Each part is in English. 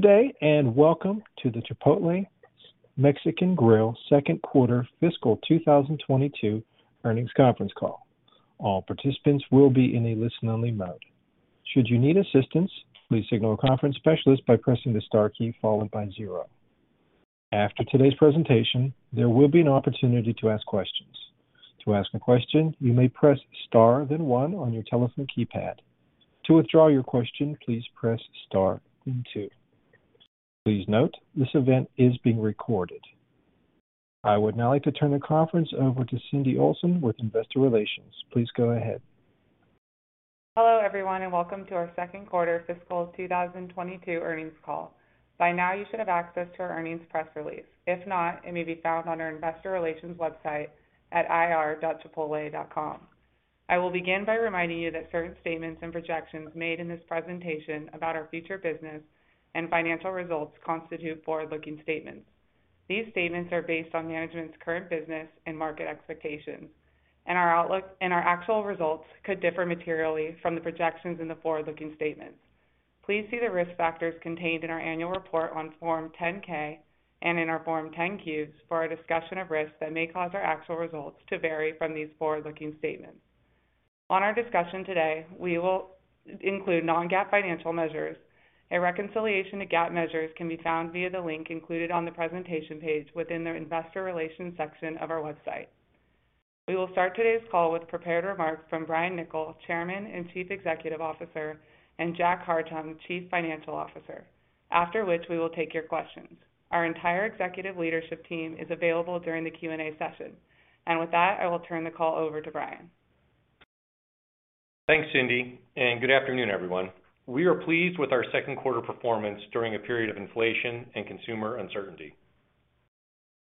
Good day, and welcome to the Chipotle Mexican Grill Second Quarter Fiscal 2022 Earnings Conference Call. All participants will be in a listen-only mode. Should you need assistance, please signal a conference specialist by pressing the star key followed by zero. After today's presentation, there will be an opportunity to ask questions. To ask a question, you may press star then one on your telephone keypad. To withdraw your question, please press star then two. Please note, this event is being recorded. I would now like to turn the conference over to Cindy Olsen with Investor Relations. Please go ahead. Hello, everyone, and welcome to our second quarter fiscal 2022 earnings call. By now, you should have access to our earnings press release. If not, it may be found on our investor relations website at ir.chipotle.com. I will begin by reminding you that certain statements and projections made in this presentation about our future business and financial results constitute forward-looking statements. These statements are based on management's current business and market expectations, and our outlook, and our actual results could differ materially from the projections in the forward-looking statements. Please see the risk factors contained in our annual report on Form 10-K and in our Form 10-Qs for a discussion of risks that may cause our actual results to vary from these forward-looking statements. In our discussion today, we will include non-GAAP financial measures. A reconciliation to GAAP measures can be found via the link included on the presentation page within the investor relations section of our website. We will start today's call with prepared remarks from Brian Niccol, Chairman and Chief Executive Officer, and Jack Hartung, Chief Financial Officer. After which, we will take your questions. Our entire executive leadership team is available during the Q&A session. With that, I will turn the call over to Brian. Thanks, Cindy, and good afternoon, everyone. We are pleased with our second quarter performance during a period of inflation and consumer uncertainty.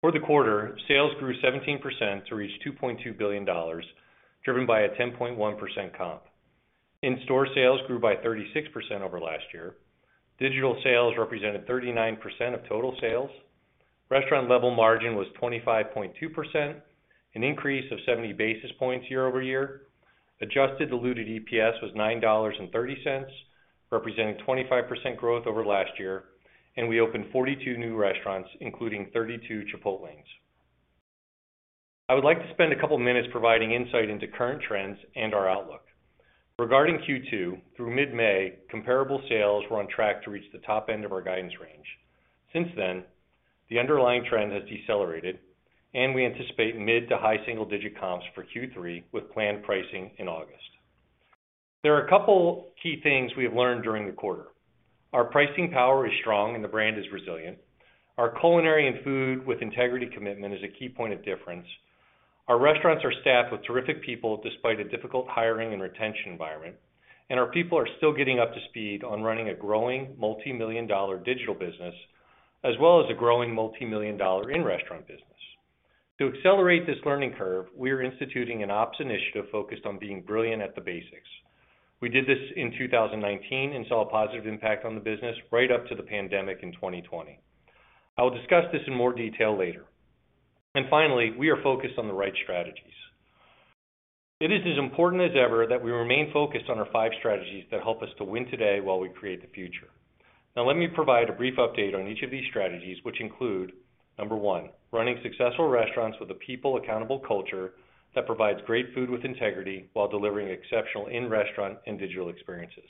For the quarter, sales grew 17% to reach $2.2 billion, driven by a 10.1% comp. In-store sales grew by 36% over last year. Digital sales represented 39% of total sales. Restaurant-level margin was 25.2%, an increase of 70 basis points year-over-year. Adjusted diluted EPS was $9.30, representing 25% growth over last year. We opened 42 new restaurants, including 32 Chipotles. I would like to spend a couple minutes providing insight into current trends and our outlook. Regarding Q2, through mid-May, comparable sales were on track to reach the top end of our guidance range. Since then, the underlying trend has decelerated and we anticipate mid- to high-single-digit comps for Q3 with planned pricing in August. There are a couple key things we have learned during the quarter. Our pricing power is strong and the brand is resilient. Our culinary and Food with Integrity commitment is a key point of difference. Our restaurants are staffed with terrific people despite a difficult hiring and retention environment, and our people are still getting up to speed on running a growing multimillion-dollar digital business as well as a growing multimillion-dollar in-restaurant business. To accelerate this learning curve, we are instituting an ops initiative focused on being brilliant at the basics. We did this in 2019 and saw a positive impact on the business right up to the pandemic in 2020. I will discuss this in more detail later. Finally, we are focused on the right strategies. It is as important as ever that we remain focused on our five strategies that help us to win today while we create the future. Now, let me provide a brief update on each of these strategies, which include, number one, running successful restaurants with a people accountable culture that provides great Food with Integrity while delivering exceptional in-restaurant and digital experiences.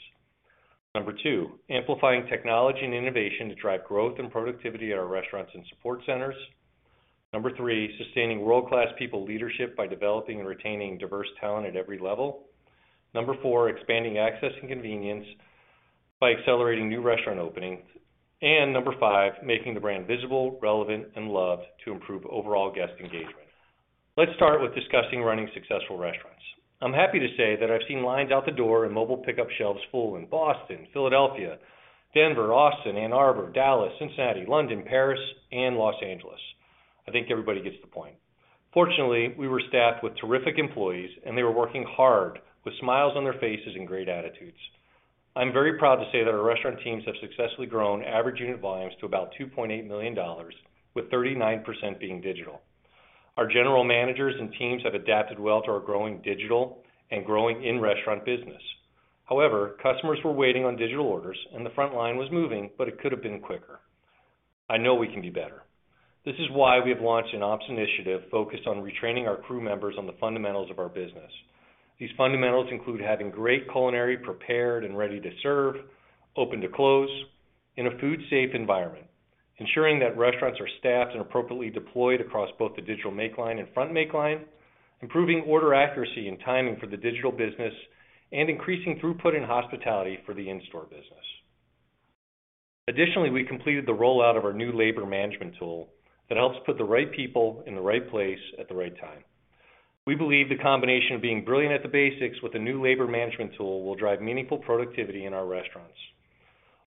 Number two, amplifying technology and innovation to drive growth and productivity at our restaurants and support centers. Number three, sustaining world-class people leadership by developing and retaining diverse talent at every level. Number four, expanding access and convenience by accelerating new restaurant openings. Number five, making the brand visible, relevant, and loved to improve overall guest engagement. Let's start with discussing running successful restaurants. I'm happy to say that I've seen lines out the door and mobile pickup shelves full in Boston, Philadelphia, Denver, Austin, Ann Arbor, Dallas, Cincinnati, London, Paris, and Los Angeles. I think everybody gets the point. Fortunately, we were staffed with terrific employees, and they were working hard with smiles on their faces and great attitudes. I'm very proud to say that our restaurant teams have successfully grown average unit volumes to about $2.8 million, with 39% being digital. Our general managers and teams have adapted well to our growing digital and growing in-restaurant business. However, customers were waiting on digital orders and the front line was moving, but it could have been quicker. I know we can do better. This is why we have launched an ops initiative focused on retraining our crew members on the fundamentals of our business. These fundamentals include having great culinary prepared and ready to serve, open to close in a food safe environment. Ensuring that restaurants are staffed and appropriately deployed across both the digital make line and front make line. Improving order accuracy and timing for the digital business, and increasing throughput and hospitality for the in-store business. Additionally, we completed the rollout of our new labor management tool that helps put the right people in the right place at the right time. We believe the combination of being brilliant at the basics with the new labor management tool will drive meaningful productivity in our restaurants.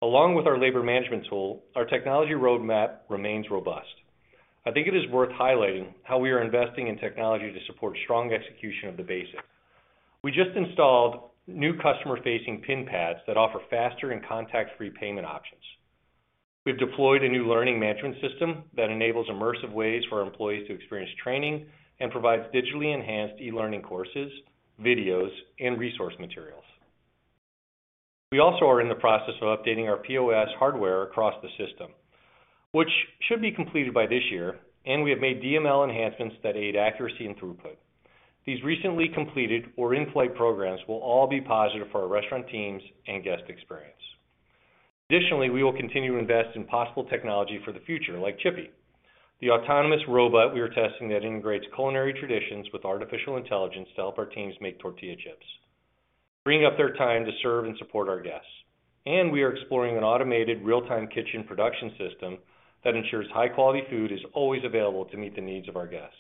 Along with our labor management tool, our technology roadmap remains robust. I think it is worth highlighting how we are investing in technology to support strong execution of the basics. We just installed new customer-facing pin pads that offer faster and contact-free payment options. We've deployed a new learning management system that enables immersive ways for our employees to experience training and provides digitally enhanced e-learning courses, videos, and resource materials. We also are in the process of updating our POS hardware across the system, which should be completed by this year, and we have made DML enhancements that aid accuracy and throughput. These recently completed or in-flight programs will all be positive for our restaurant teams and guest experience. Additionally, we will continue to invest in possible technology for the future, like Chippy, the autonomous robot we are testing that integrates culinary traditions with artificial intelligence to help our teams make tortilla chips, freeing up their time to serve and support our guests. We are exploring an automated real-time kitchen production system that ensures high-quality food is always available to meet the needs of our guests.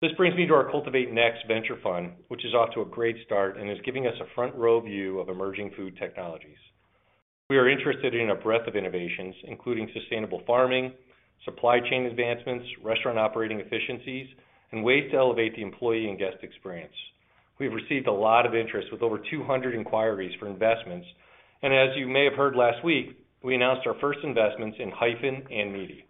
This brings me to our Cultivate Next venture fund, which is off to a great start and is giving us a front-row view of emerging food technologies. We are interested in a breadth of innovations, including sustainable farming, supply chain advancements, restaurant operating efficiencies, and ways to elevate the employee and guest experience. We have received a lot of interest with over 200 inquiries for investments. As you may have heard last week, we announced our first investments in Hyphen and Meati.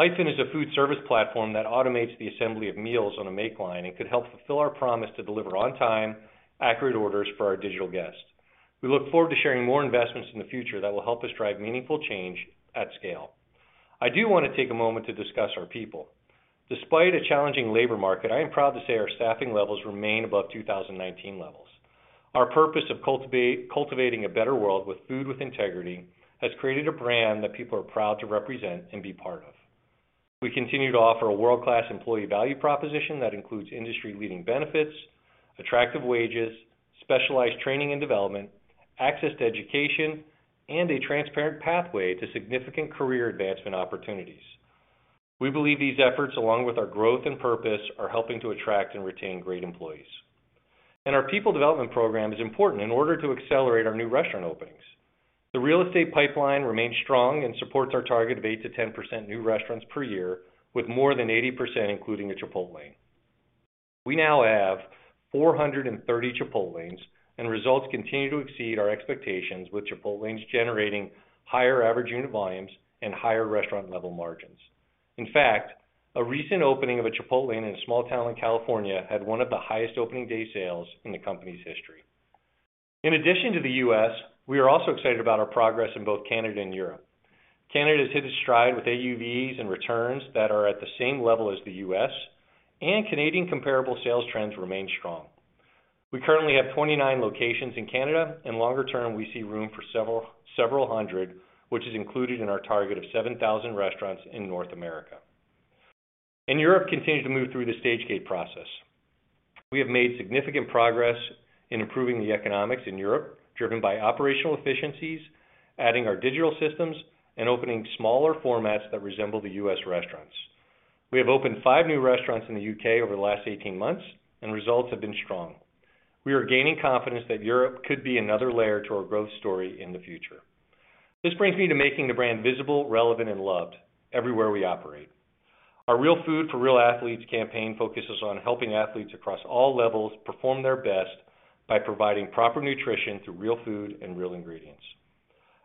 Hyphen is a food service platform that automates the assembly of meals on a make line and could help fulfill our promise to deliver on time, accurate orders for our digital guests. We look forward to sharing more investments in the future that will help us drive meaningful change at scale. I do want to take a moment to discuss our people. Despite a challenging labor market, I am proud to say our staffing levels remain above 2019 levels. Our purpose of cultivating a better world with Food with Integrity has created a brand that people are proud to represent and be part of. We continue to offer a world-class employee value proposition that includes industry-leading benefits, attractive wages, specialized training and development, access to education, and a transparent pathway to significant career advancement opportunities. We believe these efforts, along with our growth and purpose, are helping to attract and retain great employees. Our people development program is important in order to accelerate our new restaurant openings. The real estate pipeline remains strong and supports our target of 8%-10% new restaurants per year, with more than 80% including a Chipotlane. We now have 430 Chipotlanes, and results continue to exceed our expectations with Chipotlanes generating higher average unit volumes and higher restaurant level margins. In fact, a recent opening of a Chipotlane in a small town in California had one of the highest opening day sales in the company’s history. In addition to the U.S., we are also excited about our progress in both Canada and Europe. Canada has hit its stride with AUVs and returns that are at the same level as the U.S., and Canadian comparable sales trends remain strong. We currently have 29 locations in Canada, and longer term, we see room for several hundred, which is included in our target of 7,000 restaurants in North America. Europe continues to move through the stage gate process. We have made significant progress in improving the economics in Europe, driven by operational efficiencies, adding our digital systems, and opening smaller formats that resemble the U.S. restaurants. We have opened five new restaurants in the U.K. over the last eighteen months, and results have been strong. We are gaining confidence that Europe could be another layer to our growth story in the future. This brings me to making the brand visible, relevant, and loved everywhere we operate. Our Real Food for Real Athletes campaign focuses on helping athletes across all levels perform their best by providing proper nutrition through real food and real ingredients.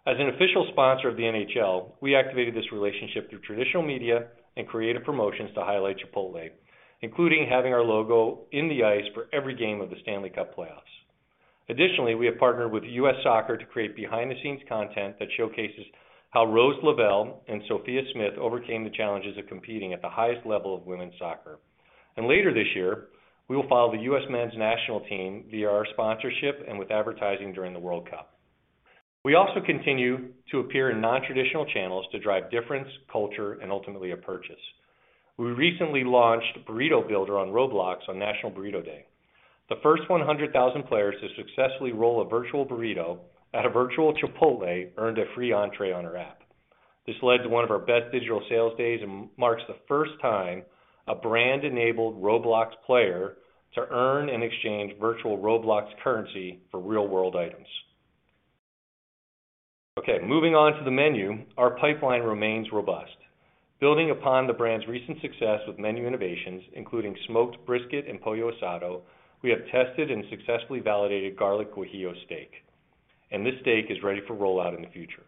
As an official sponsor of the NHL, we activated this relationship through traditional media and creative promotions to highlight Chipotle, including having our logo in the ice for every game of the Stanley Cup playoffs. Additionally, we have partnered with U.S. Soccer to create behind-the-scenes content that showcases how Rose Lavelle and Sophia Smith overcame the challenges of competing at the highest level of women’s soccer. Later this year, we will follow the U.S. Men's National Team via our sponsorship and with advertising during the World Cup. We also continue to appear in non-traditional channels to drive differentiation, culture, and ultimately a purchase. We recently launched Burrito Builder on Roblox on National Burrito Day. The first 100,000 players to successfully roll a virtual burrito at a virtual Chipotle earned a free entree on our app. This led to one of our best digital sales days and marks the first time a brand enabled Roblox player to earn and exchange virtual Roblox currency for real-world items. Okay, moving on to the menu. Our pipeline remains robust. Building upon the brand's recent success with menu innovations, including Smoked Brisket and Pollo Asado, we have tested and successfully validated Garlic Guajillo Steak, and this steak is ready for rollout in the future.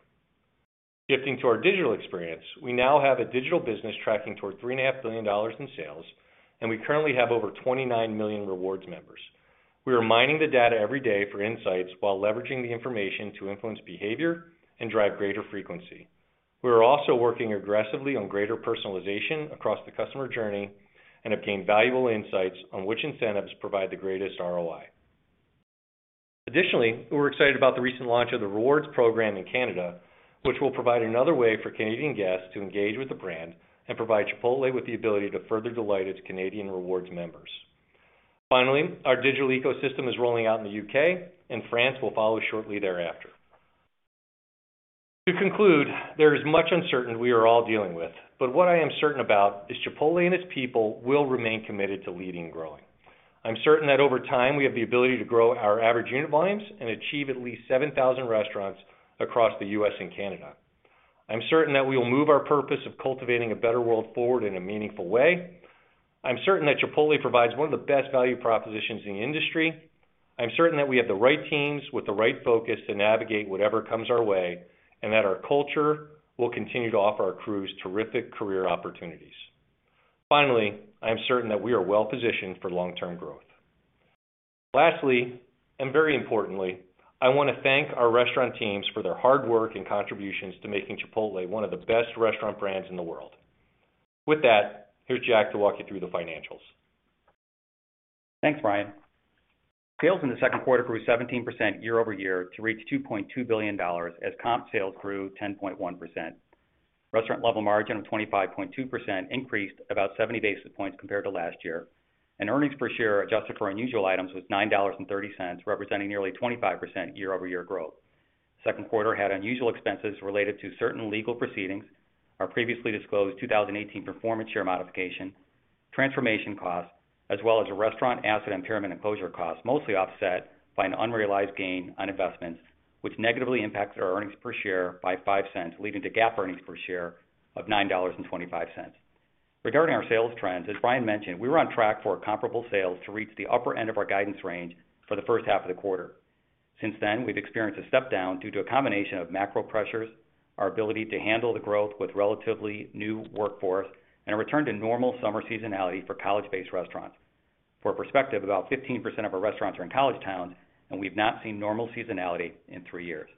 Shifting to our digital experience, we now have a digital business tracking toward $3.5 billion in sales, and we currently have over 29 million rewards members. We are mining the data every day for insights while leveraging the information to influence behavior and drive greater frequency. We are also working aggressively on greater personalization across the customer journey and have gained valuable insights on which incentives provide the greatest ROI. Additionally, we're excited about the recent launch of the rewards program in Canada, which will provide another way for Canadian guests to engage with the brand and provide Chipotle with the ability to further delight its Canadian rewards members. Finally, our digital ecosystem is rolling out in the U.K., and France will follow shortly thereafter. To conclude, there is much uncertainty we are all dealing with, but what I am certain about is Chipotle and its people will remain committed to leading and growing. I'm certain that over time, we have the ability to grow our average unit volumes and achieve at least 7,000 restaurants across the U.S. and Canada. I'm certain that we will move our purpose of cultivating a better world forward in a meaningful way. I'm certain that Chipotle provides one of the best value propositions in the industry. I'm certain that we have the right teams with the right focus to navigate whatever comes our way and that our culture will continue to offer our crews terrific career opportunities. Finally, I am certain that we are well positioned for long-term growth. Lastly, and very importantly, I wanna thank our restaurant teams for their hard work and contributions to making Chipotle one of the best restaurant brands in the world. With that, here's Jack to walk you through the financials. Thanks, Brian. Sales in the second quarter grew 17% year-over-year to reach $2.2 billion as comp sales grew 10.1%. Restaurant level margin of 25.2% increased about 70 basis points compared to last year, and earnings per share adjusted for unusual items was $9.30, representing nearly 25% year-over-year growth. Second quarter had unusual expenses related to certain legal proceedings, our previously disclosed 2018 performance share modification, transformation costs, as well as a restaurant asset impairment and closure costs, mostly offset by an unrealized gain on investments, which negatively impacted our earnings per share by $0.05, leading to GAAP earnings per share of $9.25. Regarding our sales trends, as Brian mentioned, we were on track for comparable sales to reach the upper end of our guidance range for the first half of the quarter. Since then, we've experienced a step down due to a combination of macro pressures, our ability to handle the growth with relatively new workforce, and a return to normal summer seasonality for college-based restaurants. For perspective, about 15% of our restaurants are in college towns, and we've not seen normal seasonality in three years.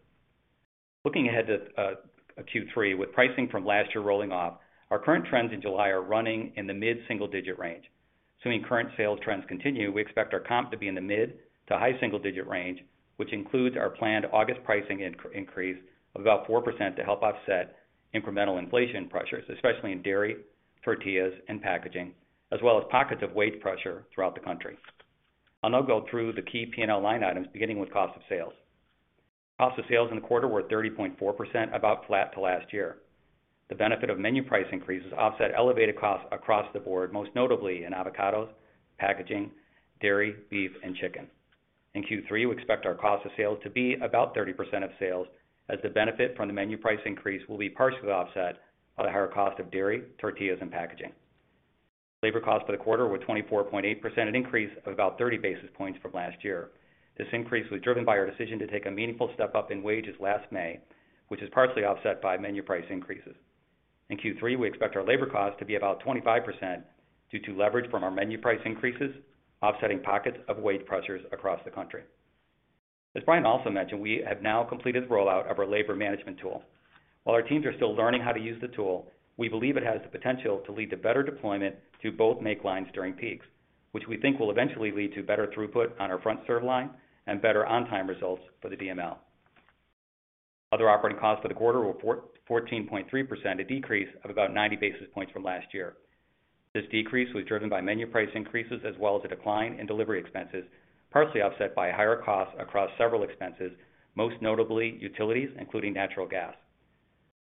Looking ahead to Q3, with pricing from last year rolling off, our current trends in July are running in the mid single digit range. Assuming current sales trends continue, we expect our comp to be in the mid to high single digit range, which includes our planned August pricing increase of about 4% to help offset incremental inflation pressures, especially in dairy, tortillas, and packaging, as well as pockets of wage pressure throughout the country. I'll now go through the key P&L line items, beginning with cost of sales. Cost of sales in the quarter were 30.4%, about flat to last year. The benefit of menu price increases offset elevated costs across the board, most notably in avocados, packaging, dairy, beef, and chicken. In Q3, we expect our cost of sales to be about 30% of sales as the benefit from the menu price increase will be partially offset by the higher cost of dairy, tortillas, and packaging. Labor costs for the quarter were 24.8%, an increase of about 30 basis points from last year. This increase was driven by our decision to take a meaningful step-up in wages last May, which is partially offset by menu price increases. In Q3, we expect our labor costs to be about 25% due to leverage from our menu price increases, offsetting pockets of wage pressures across the country. As Brian also mentioned, we have now completed the rollout of our labor management tool. While our teams are still learning how to use the tool, we believe it has the potential to lead to better deployment to both make lines during peaks, which we think will eventually lead to better throughput on our front serve line and better on-time results for the DML. Other operating costs for the quarter were 4.143%, a decrease of about 90 basis points from last year. This decrease was driven by menu price increases as well as a decline in delivery expenses, partially offset by higher costs across several expenses, most notably utilities, including natural gas.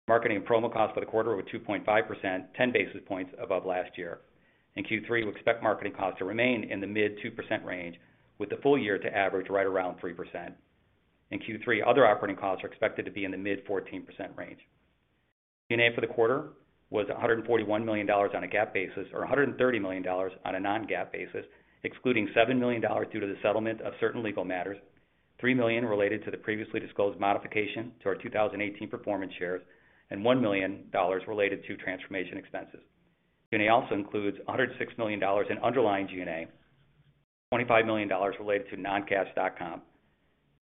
Marketing and promo costs for the quarter were 2.5%, 10 basis points above last year. In Q3, we expect marketing costs to remain in the mid-2% range, with the full year to average right around 3%. In Q3, other operating costs are expected to be in the mid-14% range. G&A for the quarter was $141 million on a GAAP basis, or $130 million on a non-GAAP basis, excluding $7 million due to the settlement of certain legal matters, $3 million related to the previously disclosed modification to our 2018 performance shares, and $1 million related to transformation expenses. G&A also includes $106 million in underlying G&A, $25 million related to non-cash stock comp,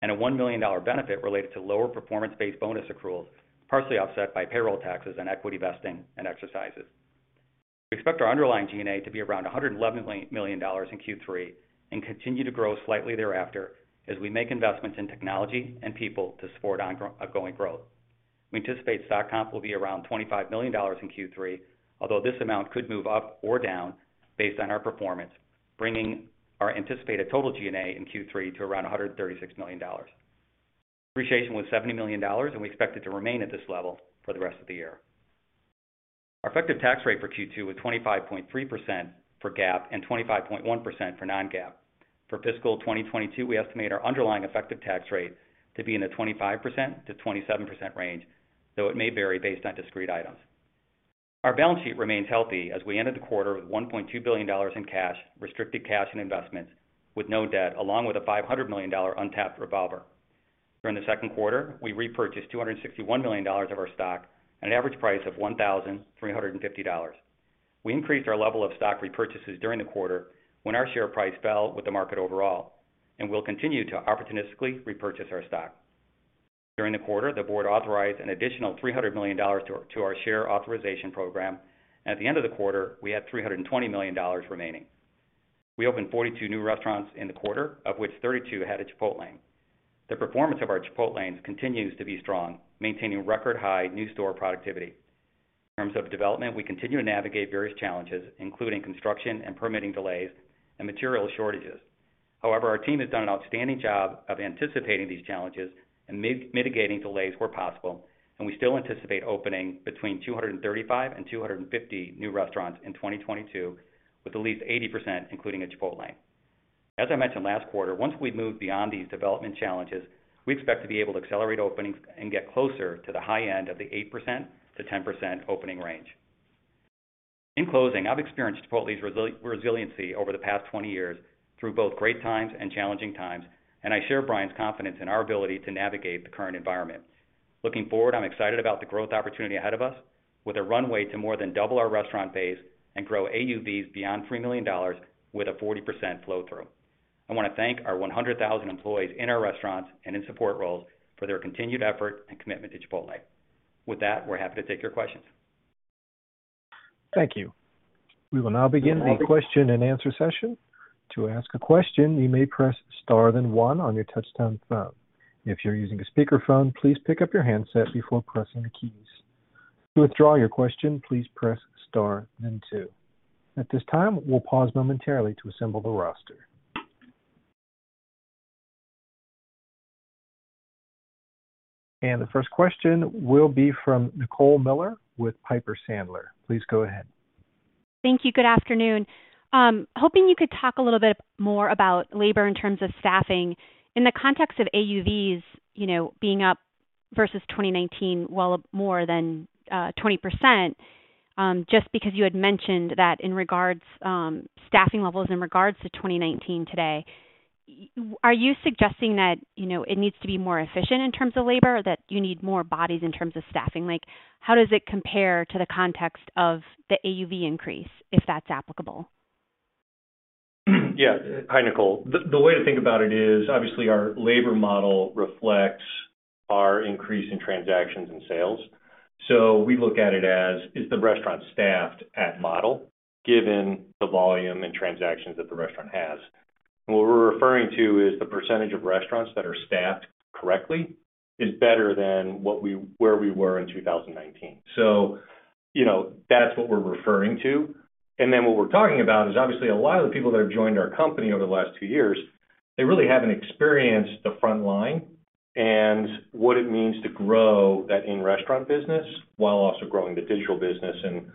and a $1 million benefit related to lower performance-based bonus accruals, partially offset by payroll taxes and equity vesting and exercises. We expect our underlying G&A to be around $111 million in Q3 and continue to grow slightly thereafter as we make investments in technology and people to support ongoing growth. We anticipate stock comp will be around $25 million in Q3, although this amount could move up or down based on our performance, bringing our anticipated total G&A in Q3 to around $136 million. Depreciation was $70 million, and we expect it to remain at this level for the rest of the year. Our effective tax rate for Q2 was 25.3% for GAAP and 25.1% for non-GAAP. For fiscal 2022, we estimate our underlying effective tax rate to be in the 25%-27% range, though it may vary based on discrete items. Our balance sheet remains healthy as we ended the quarter with $1.2 billion in cash, restricted cash and investments with no debt, along with a $500 million untapped revolver. During the second quarter, we repurchased $261 million of our stock at an average price of $1,350. We increased our level of stock repurchases during the quarter when our share price fell with the market overall, and we'll continue to opportunistically repurchase our stock. During the quarter, the board authorized an additional $300 million to our share authorization program, and at the end of the quarter, we had $320 million remaining. We opened 42 new restaurants in the quarter, of which 32 had a Chipotlane. The performance of our Chipotlanes continues to be strong, maintaining record high new store productivity. In terms of development, we continue to navigate various challenges, including construction and permitting delays and material shortages. However, our team has done an outstanding job of anticipating these challenges and mitigating delays where possible, and we still anticipate opening between 235 and 250 new restaurants in 2022, with at least 80% including a Chipotlane. As I mentioned last quarter, once we've moved beyond these development challenges, we expect to be able to accelerate openings and get closer to the high end of the 8%-10% opening range. In closing, I've experienced Chipotle's resiliency over the past 20 years through both great times and challenging times, and I share Brian's confidence in our ability to navigate the current environment. Looking forward, I'm excited about the growth opportunity ahead of us with a runway to more than double our restaurant base and grow AUVs beyond $3 million with a 40% flow through. I wanna thank our 100,000 employees in our restaurants and in support roles for their continued effort and commitment to Chipotle. With that, we're happy to take your questions. Thank you. We will now begin the question and answer session. To ask a question, you may press star then one on your touchtone phone. If you're using a speakerphone, please pick up your handset before pressing the keys. To withdraw your question, please press star then two. At this time, we'll pause momentarily to assemble the roster. The first question will be from Nicole Miller with Piper Sandler. Please go ahead. Thank you. Good afternoon. Hoping you could talk a little bit more about labor in terms of staffing. In the context of AUVs, you know, being up versus 2019, more than 20%, just because you had mentioned that in regards, staffing levels in regards to 2019 today, are you suggesting that, you know, it needs to be more efficient in terms of labor or that you need more bodies in terms of staffing? Like, how does it compare to the context of the AUV increase, if that's applicable? Yeah. Hi, Nicole. The way to think about it is, obviously, our labor model reflects our increase in transactions and sales. We look at it as, is the restaurant staffed at model given the volume and transactions that the restaurant has? What we're referring to is the percentage of restaurants that are staffed correctly is better than where we were in 2019. You know, that's what we're referring to. What we're talking about is, obviously, a lot of the people that have joined our company over the last two years, they really haven't experienced the front line and what it means to grow that in restaurant business while also growing the digital business. You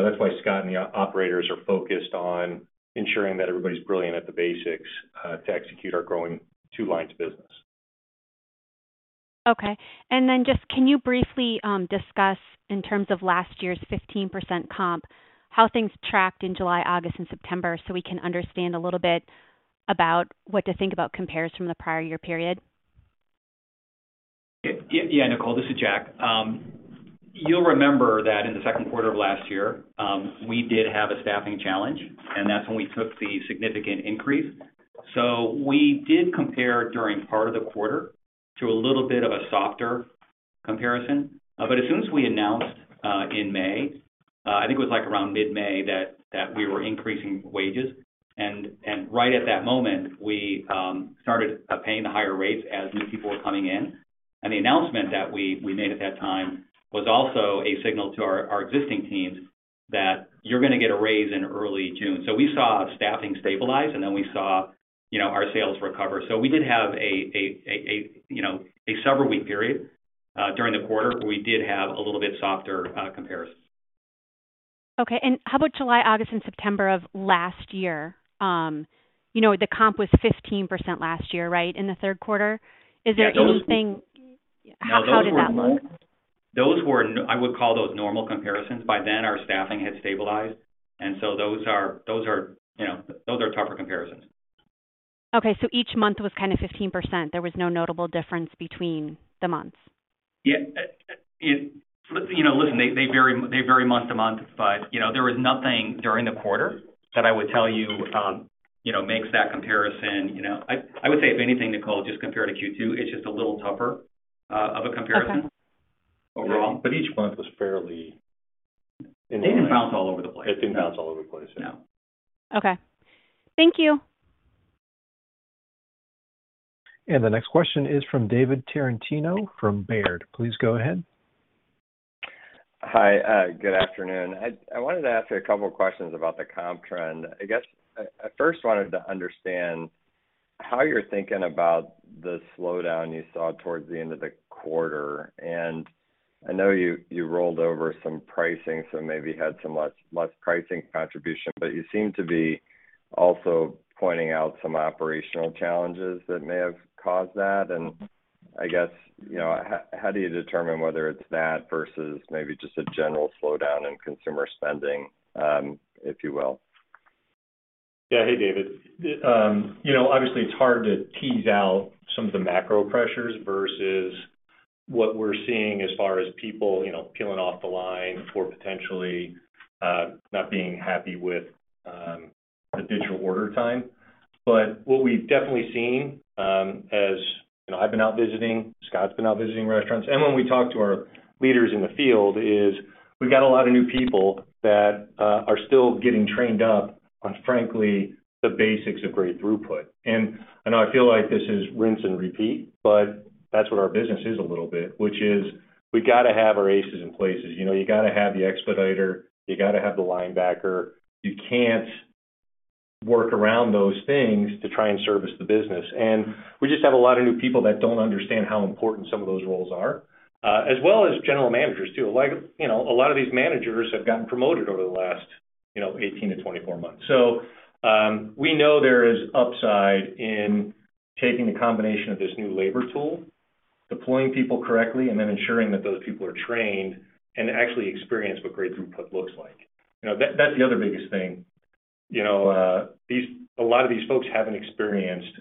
know, that's why Scott and the operators are focused on ensuring that everybody's brilliant at the basics, to execute our growing two lines of business. Okay. Just, can you briefly discuss in terms of last year's 15% comp, how things tracked in July, August, and September so we can understand a little bit about what to think about compares from the prior year period? Yeah. Yeah, Nicole, this is Jack. You'll remember that in the second quarter of last year, we did have a staffing challenge, and that's when we took the significant increase. We did compare during part of the quarter to a little bit of a softer comparison. As soon as we announced in May, I think it was like around mid-May that we were increasing wages. Right at that moment, we started paying the higher rates as new people were coming in. The announcement that we made at that time was also a signal to our existing teams that you're gonna get a raise in early June. We saw staffing stabilize, and then we saw, you know, our sales recover. We did have a you know, a several week period during the quarter where we did have a little bit softer comparisons. Okay. How about July, August, and September of last year? You know, the comp was 15% last year, right? In the third quarter. Yeah, those. Is there anything? How did that look? Those were. I would call those normal comparisons. By then, our staffing had stabilized, and so those are, you know, those are tougher comparisons. Okay. Each month was kind of 15%. There was no notable difference between the months. Yeah. You know, listen, they vary month to month, but you know, there was nothing during the quarter that I would tell you makes that comparison, you know. I would say, if anything, Nicole, just compare to Q2, it's just a little tougher of a comparison. Okay overall. Each month was fairly in line. It didn't bounce all over the place. It didn't bounce all over the place. Yeah. Okay. Thank you. The next question is from David Tarantino from Baird. Please go ahead. Hi. Good afternoon. I wanted to ask you a couple of questions about the comp trend. I guess I first wanted to understand how you're thinking about the slowdown you saw towards the end of the quarter. I know you rolled over some pricing, so maybe had some less pricing contribution. You seem to be also pointing out some operational challenges that may have caused that. I guess, you know, how do you determine whether it's that versus maybe just a general slowdown in consumer spending, if you will? Yeah. Hey, David. You know, obviously, it's hard to tease out some of the macro pressures versus what we're seeing as far as people, you know, peeling off the line or potentially not being happy with the digital order time. What we've definitely seen, as you know, I've been out visiting, Scott's been out visiting restaurants, and when we talk to our leaders in the field, is we've got a lot of new people that are still getting trained up on, frankly, the basics of great throughput. I know I feel like this is rinse and repeat, but that's what our business is a little bit, which is we gotta have our aces in places. You know, you gotta have the expediter, you gotta have the linebacker. You can't work around those things to try and service the business. We just have a lot of new people that don't understand how important some of those roles are, as well as general managers, too. Like, you know, a lot of these managers have gotten promoted over the last, you know, 18-24 months. We know there is upside in taking a combination of this new labor tool, deploying people correctly, and then ensuring that those people are trained and actually experience what great throughput looks like. You know, that's the other biggest thing. You know, a lot of these folks haven't experienced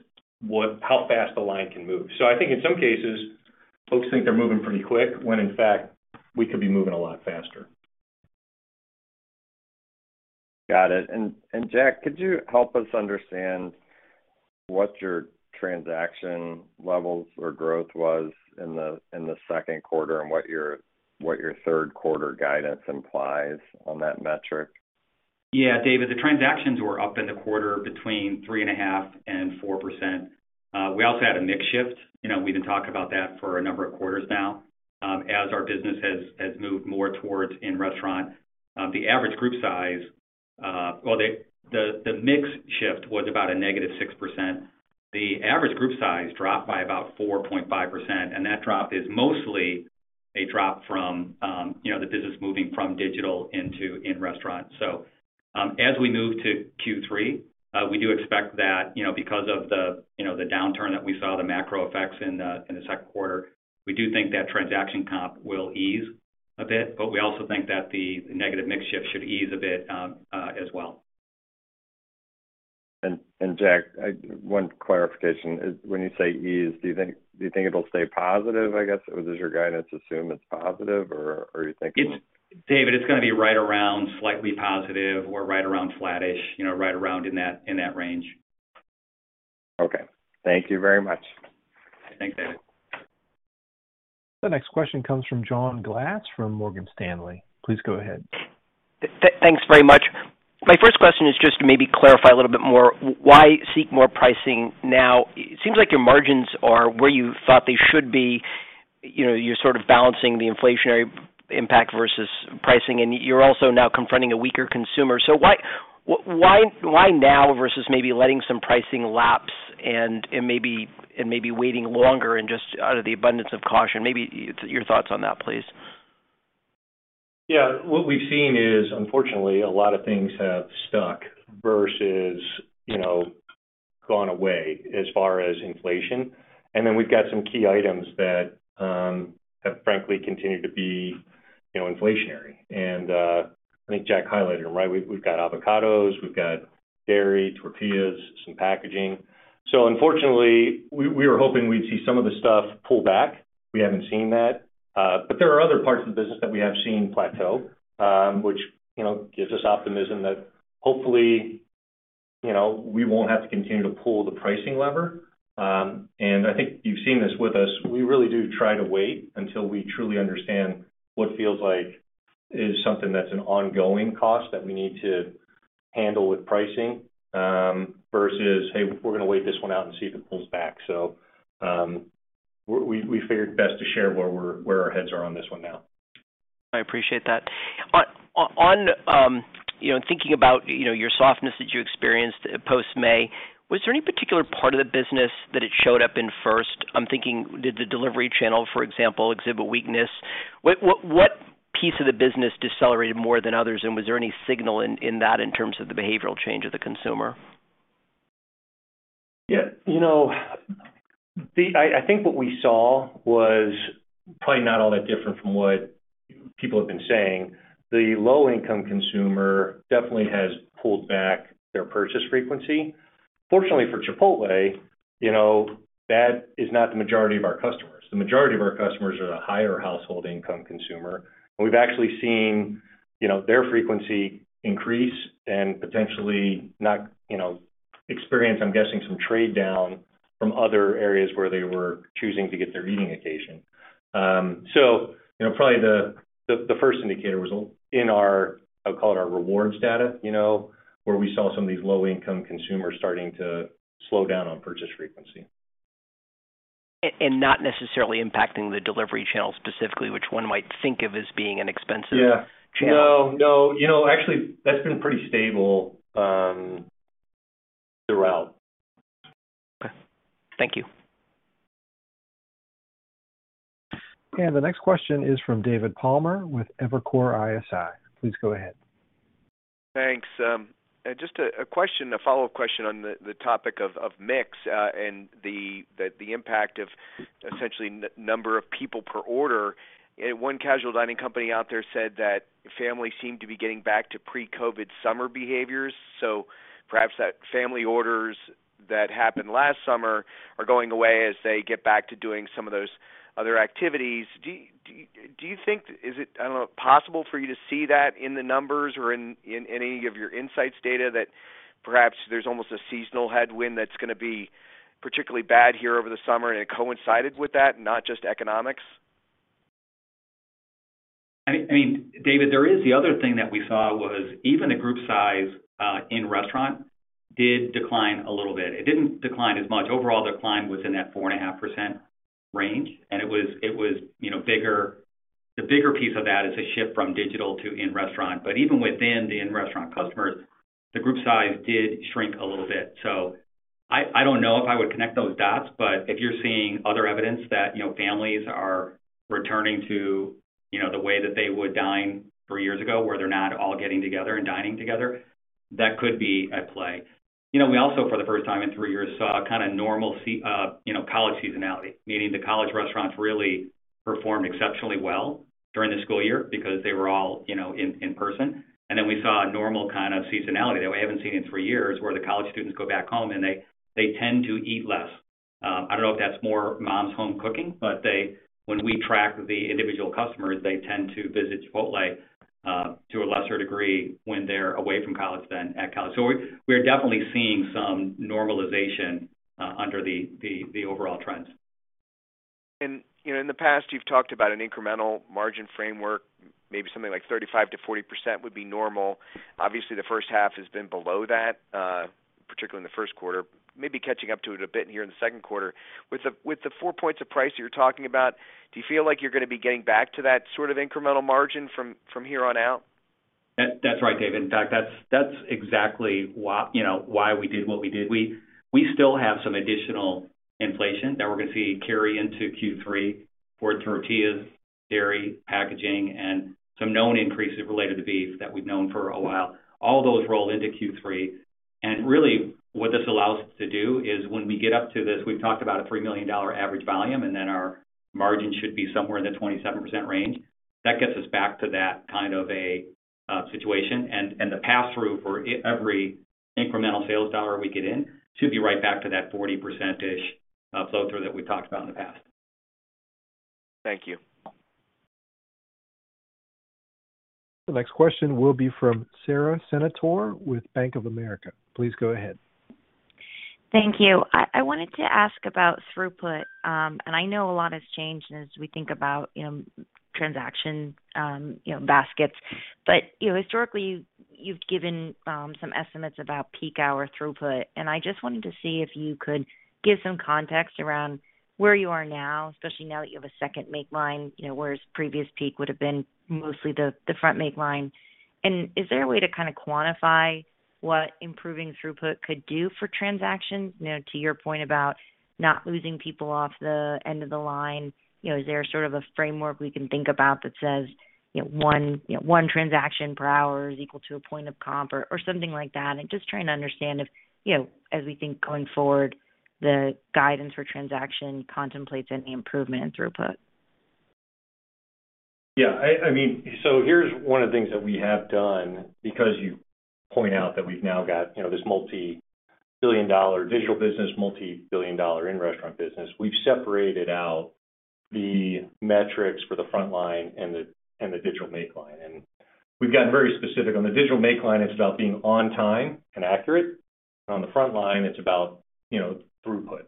how fast the line can move. I think in some cases, folks think they're moving pretty quick when in fact we could be moving a lot faster. Got it. Jack, could you help us understand what your transaction levels or growth was in the second quarter and what your third quarter guidance implies on that metric? Yeah, David, the transactions were up in the quarter between 3.5% and 4%. We also had a mix shift. You know, we've been talking about that for a number of quarters now, as our business has moved more towards in-restaurant. The mix shift was about -6%. The average group size dropped by about 4.5%, and that drop is mostly a drop from, you know, the business moving from digital into in-restaurant. As we move to Q3, we do expect that, you know, because of the, you know, the downturn that we saw, the macro effects in the second quarter, we do think that transaction comp will ease a bit, but we also think that the negative mix shift should ease a bit, as well. Jack, one clarification. When you say ease, do you think it'll stay positive, I guess? Or does your guidance assume it's positive or are you thinking- It's David, it's gonna be right around slightly positive or right around flattish, you know, right around in that, in that range. Okay. Thank you very much. Thanks, David. The next question comes from John Glass from Morgan Stanley. Please go ahead. Thanks very much. My first question is just to maybe clarify a little bit more. Why seek more pricing now? It seems like your margins are where you thought they should be. You know, you're sort of balancing the inflationary impact versus pricing, and you're also now confronting a weaker consumer. Why now versus maybe letting some pricing lapse and maybe waiting longer and just out of the abundance of caution? Maybe your thoughts on that, please. Yeah. What we've seen is, unfortunately, a lot of things have stuck versus, you know, gone away as far as inflation. Then we've got some key items that have frankly continued to be, you know, inflationary. I think Jack highlighted them, right? We've got avocados, we've got dairy, tortillas, some packaging. Unfortunately, we were hoping we'd see some of the stuff pull back. We haven't seen that. But there are other parts of the business that we have seen plateau, which, you know, gives us optimism that hopefully, you know, we won't have to continue to pull the pricing lever. I think you've seen this with us. We really do try to wait until we truly understand what feels like is something that's an ongoing cost that we need to handle with pricing, versus, "Hey, we're gonna wait this one out and see if it pulls back." We figured best to share where our heads are on this one now. I appreciate that. On you know, thinking about you know, your softness that you experienced post-May, was there any particular part of the business that it showed up in first? I'm thinking did the delivery channel, for example, exhibit weakness? What piece of the business decelerated more than others? Was there any signal in that in terms of the behavioral change of the consumer? Yeah. You know, I think what we saw was probably not all that different from what people have been saying. The low-income consumer definitely has pulled back their purchase frequency. Fortunately for Chipotle, you know, that is not the majority of our customers. The majority of our customers are the higher household income consumer. We've actually seen, you know, their frequency increase and potentially not, you know, experience, I'm guessing, some trade down from other areas where they were choosing to get their eating occasion. You know, probably the first indicator was in our, I would call it our rewards data, you know, where we saw some of these low-income consumers starting to slow down on purchase frequency. Not necessarily impacting the delivery channel specifically, which one might think of as being expensive channel. Yeah. No, no. You know, actually, that's been pretty stable throughout. Okay. Thank you. The next question is from David Palmer with Evercore ISI. Please go ahead. Thanks. Just a question, a follow-up question on the topic of mix, and the impact of essentially n-number of people per order. One casual dining company out there said that families seem to be getting back to pre-COVID summer behaviors. Perhaps that family orders that happened last summer are going away as they get back to doing some of those other activities. Is it, I don't know, possible for you to see that in the numbers or in any of your insights data that perhaps there's almost a seasonal headwind that's gonna be particularly bad here over the summer and it coincided with that, not just economics? I mean, David, the other thing that we saw was even the group size in restaurant did decline a little bit. It didn't decline as much. Overall, the decline was in that 4.5% range, and it was, you know, bigger. The bigger piece of that is a shift from digital to in-restaurant. Even within the in-restaurant customers, the group size did shrink a little bit. I don't know if I would connect those dots, but if you're seeing other evidence that, you know, families are returning to, you know, the way that they would dine three years ago, where they're not all getting together and dining together, that could be at play. You know, we also, for the first time in three years, saw a kind of normal college seasonality, meaning the college restaurants really performed exceptionally well during the school year because they were all, you know, in person. We saw a normal kind of seasonality that we haven't seen in three years, where the college students go back home, and they tend to eat less. I don't know if that's more mom's home cooking, but when we track the individual customers, they tend to visit Chipotle to a lesser degree when they're away from college than at college. We're definitely seeing some normalization under the overall trends. You know, in the past, you've talked about an incremental margin framework, maybe something like 35%-40% would be normal. Obviously, the first half has been below that, particularly in the first quarter. Maybe catching up to it a bit here in the second quarter. With the four points of price you're talking about, do you feel like you're gonna be getting back to that sort of incremental margin from here on out? That's right, David. In fact, that's exactly why, you know, why we did what we did. We still have some additional inflation that we're gonna see carry into Q3 for tortillas, dairy, packaging, and some known increases related to beef that we've known for a while. All those roll into Q3. Really what this allows us to do is when we get up to this, we've talked about a $3 million average volume, and then our margin should be somewhere in the 27% range. That gets us back to that kind of a situation. The pass-through for every incremental sales dollar we get in should be right back to that 40%-ish flow-through that we talked about in the past. Thank you. The next question will be from Sara Senatore with Bank of America. Please go ahead. Thank you. I wanted to ask about throughput. I know a lot has changed as we think about, you know, transaction, you know, baskets. But, you know, historically you've given some estimates about peak hour throughput, and I just wanted to see if you could give some context around where you are now, especially now that you have a second make line, you know, whereas previous peak would have been mostly the front make line. Is there a way to kinda quantify what improving throughput could do for transactions? You know, to your point about not losing people off the end of the line, you know, is there sort of a framework we can think about that says, you know, one transaction per hour is equal to a point of comp or something like that? I'm just trying to understand if, you know, as we think going forward, the guidance for transactions contemplates any improvement in throughput. Yeah, I mean, here's one of the things that we have done, because you point out that we've now got, you know, this multi-billion-dollar digital business, multi-billion-dollar in-restaurant business. We've separated out the metrics for the front line and the digital make line. We've gotten very specific. On the digital make line, it's about being on time and accurate. On the front line, it's about, you know, throughput.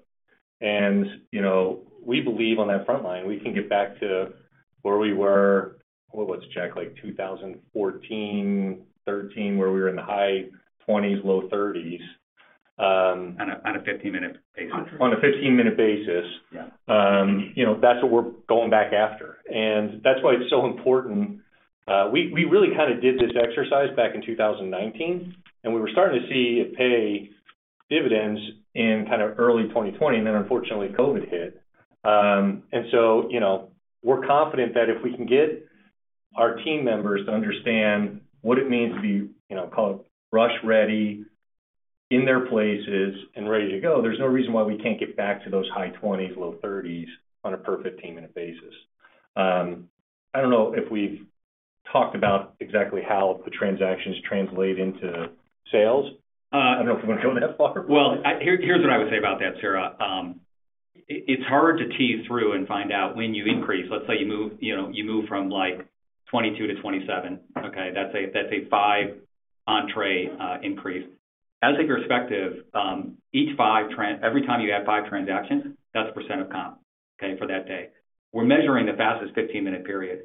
We believe on that front line, we can get back to where we were. Well, let's check, like 2014, 2013, where we were in the high 20s, low 30s on a 15-minute basis. On a 15-minute basis. Yeah. You know, that's what we're going back after. That's why it's so important. We really kinda did this exercise back in 2019, and we were starting to see it pay dividends in kind of early 2020, and then unfortunately COVID hit. We're confident that if we can get our team members to understand what it means to be, you know, call it rush ready, in their places and ready to go, there's no reason why we can't get back to those high 20s, low 30s on a per 15-minute basis. I don't know if we've talked about exactly how the transactions translate into sales. I don't know if you wanna go that far. Here's what I would say about that, Sara. It's hard to tease out and find out when you increase. Let's say you move, you know, from like 22 to 27, okay? That's a five entry increase. As a perspective, every time you add five transactions, that's 1% of comp, okay, for that day. We're measuring the fastest 15-minute period.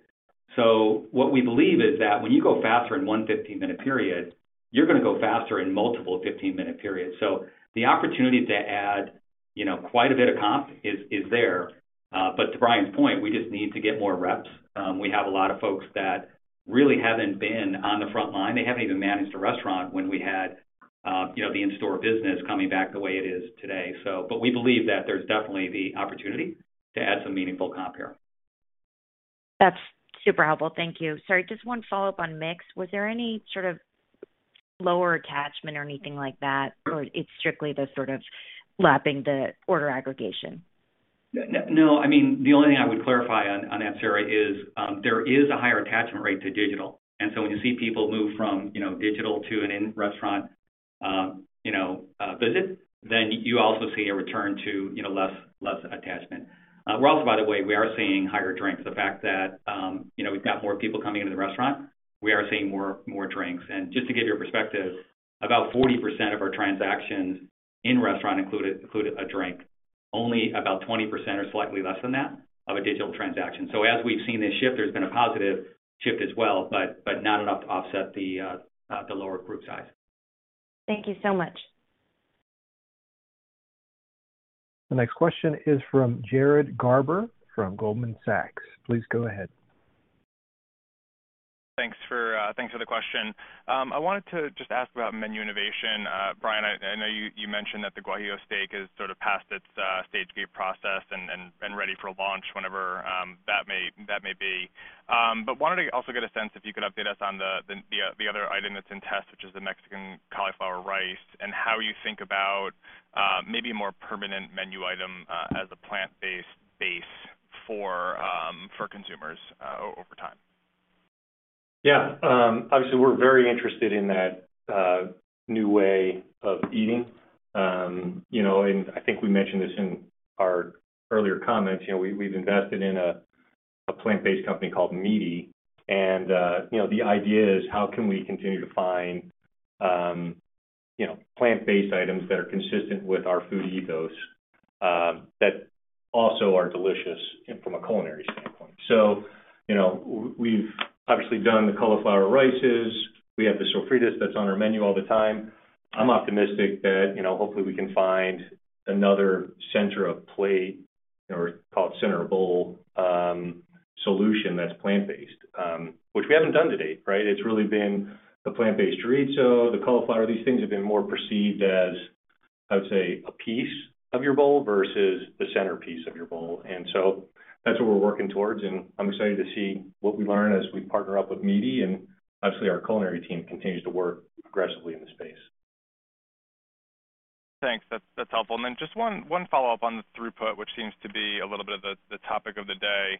What we believe is that when you go faster in one 15-minute period, you're gonna go faster in multiple 15-minute periods. The opportunity to add, you know, quite a bit of comp is there. To Brian's point, we just need to get more reps. We have a lot of folks that really haven't been on the front line. They haven't even managed a restaurant when we had, you know, the in-store business coming back the way it is today. We believe that there's definitely the opportunity to add some meaningful comp here. That's super helpful. Thank you. Sorry, just one follow-up on mix. Was there any sort of lower attachment or anything like that, or it's strictly the sort of lapping the order aggregation? No, I mean, the only thing I would clarify on that, Sara, is there is a higher attachment rate to digital. When you see people move from, you know, digital to an in-restaurant, you know, visit, then you also see a return to, you know, less attachment. We're also, by the way, seeing higher drinks. The fact that, you know, we've got more people coming into the restaurant, we are seeing more drinks. Just to give you a perspective, about 40% of our transactions in-restaurant included a drink. Only about 20% or slightly less than that of a digital transaction. As we've seen this shift, there's been a positive shift as well, but not enough to offset the lower group size. Thank you so much. The next question is from Jared Garber from Goldman Sachs. Please go ahead. Thanks for the question. I wanted to just ask about menu innovation. Brian, I know you mentioned that the Guajillo Steak is sort of past its stage of the process and ready for launch whenever that may be. But wanted to also get a sense if you could update us on the other item that's in test, which is the Cilantro-Lime Cauliflower Rice, and how you think about maybe a more permanent menu item as a plant-based for consumers over time. Yeah. Obviously, we're very interested in that new way of eating. You know, I think we mentioned this in our earlier comments. You know, we've invested in a plant-based company called Meati. You know, the idea is how can we continue to find you know, plant-based items that are consistent with our food ethos that also are delicious and from a culinary standpoint. You know, we've obviously done the cauliflower rices, we have the Sofritas that's on our menu all the time. I'm optimistic that, you know, hopefully we can find another center of plate or call it center of bowl solution that's plant-based, which we haven't done to date, right? It's really been the Plant-Based Chorizo, the cauliflower. These things have been more perceived as, I would say, a piece of your bowl versus the centerpiece of your bowl. That's what we're working towards, and I'm excited to see what we learn as we partner up with Meati and obviously our culinary team continues to work aggressively in the space. Thanks. That's helpful. Then just one follow-up on the throughput, which seems to be a little bit of the topic of the day.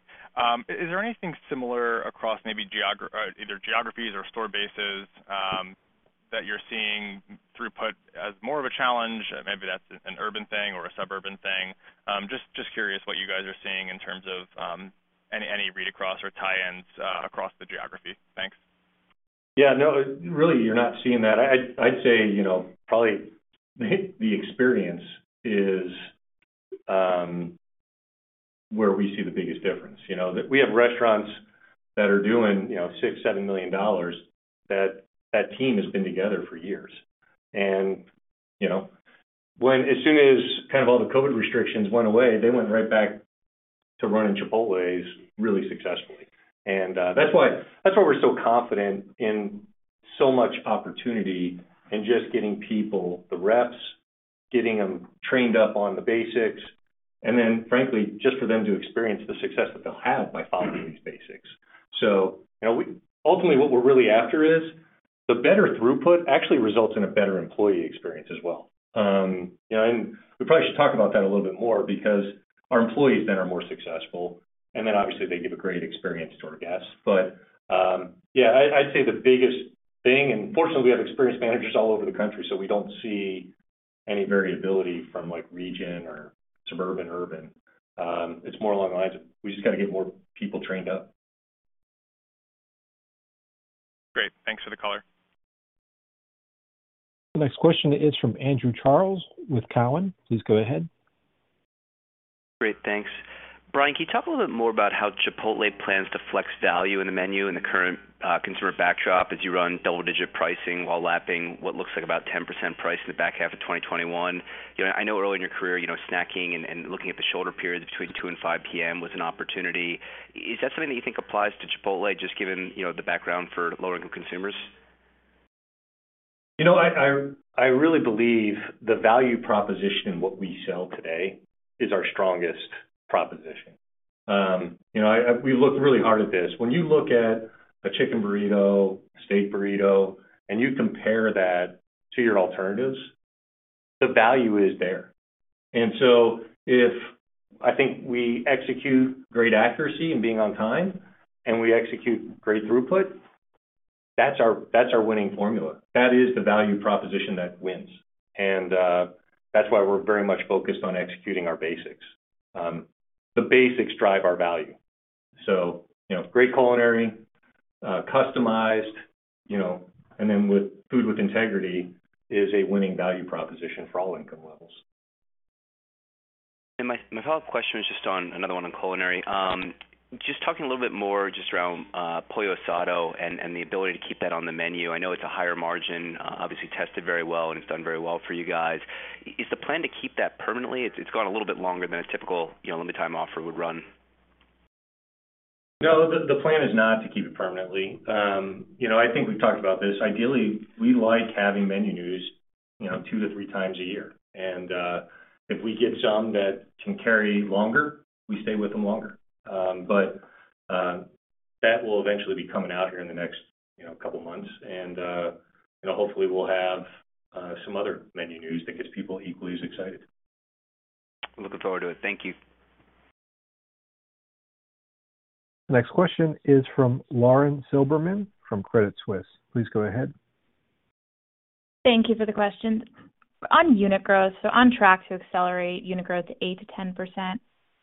Is there anything similar across maybe either geographies or store bases that you're seeing throughput as more of a challenge? Maybe that's an urban thing or a suburban thing. Just curious what you guys are seeing in terms of any read-across or tie-ins across the geography. Thanks. Yeah. No, really you're not seeing that. I'd say, you know, probably the experience is where we see the biggest difference. You know? We have restaurants that are doing, you know, $6-$7 million that team has been together for years. You know, when as soon as kind of all the COVID restrictions went away, they went right back to running Chipotle really successfully. That's why we're so confident in so much opportunity in just getting people the reps, getting them trained up on the basics, and then frankly, just for them to experience the success that they'll have by following these basics. You know, ultimately, what we're really after is the better throughput actually results in a better employee experience as well. You know, we probably should talk about that a little bit more because our employees then are more successful, and then obviously they give a great experience to our guests. Yeah, I'd say the biggest thing, and fortunately we have experienced managers all over the country, so we don't see any variability from like region or suburban, urban. It's more along the lines of we just gotta get more people trained up. Great. Thanks for the color. The next question is from Andrew Charles with Cowen. Please go ahead. Great. Thanks. Brian, can you talk a little bit more about how Chipotle plans to flex value in the menu in the current consumer backdrop as you run double-digit pricing while lapping what looks like about 10% price in the back half of 2021? You know, I know early in your career, you know, snacking and looking at the shoulder periods between 2 P.M. and 5 P.M. was an opportunity. Is that something that you think applies to Chipotle just given, you know, the background for lower income consumers? You know, I really believe the value proposition in what we sell today is our strongest proposition. You know, we look really hard at this. When you look at a chicken burrito, steak burrito, and you compare that to your alternatives, the value is there. If I think we execute great accuracy in being on time and we execute great throughput, that's our winning formula. That is the value proposition that wins. That's why we're very much focused on executing our basics. The basics drive our value. You know, great culinary, customized, you know, and then with Food with Integrity is a winning value proposition for all income levels. My follow-up question is just on another one on culinary. Just talking a little bit more just around Pollo Asado and the ability to keep that on the menu. I know it's a higher margin, obviously tested very well, and it's done very well for you guys. Is the plan to keep that permanently? It's gone a little bit longer than a typical, you know, limited time offer would run. No, the plan is not to keep it permanently. You know, I think we've talked about this. Ideally, we like having menu news, you know, two-three times a year. If we get some that can carry longer, we stay with them longer. That will eventually be coming out here in the next, you know, couple months. You know, hopefully we'll have some other menu news that gets people equally as excited. Looking forward to it. Thank you. The next question is from Lauren Silberman from Credit Suisse. Please go ahead. Thank you for the question. On unit growth, so on track to accelerate unit growth to 8%-10%,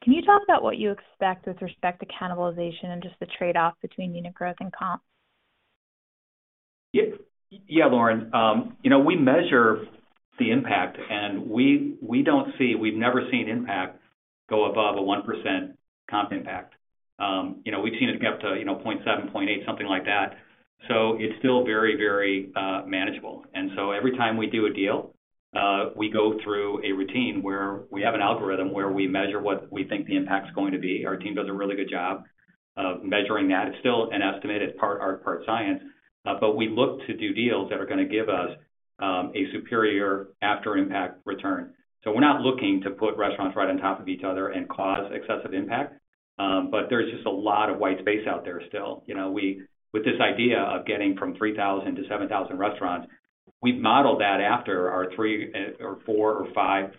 can you talk about what you expect with respect to cannibalization and just the trade-off between unit growth and comps? Yeah. Yeah, Lauren. You know, we measure the impact, and we've never seen impact go above a 1% comp impact. You know, we've seen it be up to, you know, 0.7, 0.8, something like that. So it's still very manageable. Every time we do a deal, we go through a routine where we have an algorithm where we measure what we think the impact's going to be. Our team does a really good job of measuring that. It's still an estimate. It's part art, part science, but we look to do deals that are gonna give us a superior after impact return. So we're not looking to put restaurants right on top of each other and cause excessive impact. There's just a lot of white space out there still. You know, with this idea of getting from 3,000 to 7,000 restaurants, we've modeled that after our three, or four or five